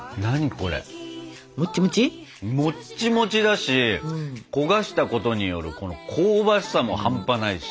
もっちもち？もっちもちだし焦がしたことによる香ばしさも半端ないし。